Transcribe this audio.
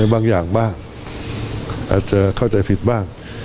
แม้บางอย่างบ้างบ้างอาจจะเข้าใจฝืดบ้าง